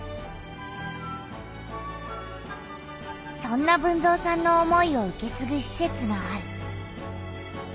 そんな豊造さんの思いを受けつぐしせつがある。